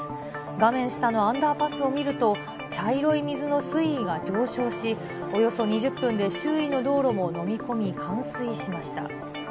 画面下のアンダーパスを見ると、茶色い水の水位が上昇し、およそ２０分で周囲の道路も飲み込み、冠水しました。